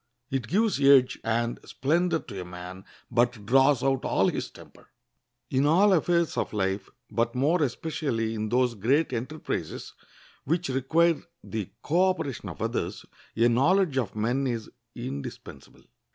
It gives edge and splendor to a man, but draws out all his temper. In all affairs of life, but more especially in those great enterprises which require the co operation of others, a knowledge of men is indispensable.